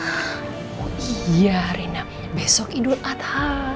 oh iya rina besok idul adha